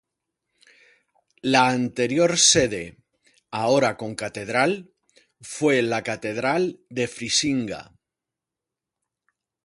La anterior sede, ahora concatedral, fue la Catedral de Frisinga.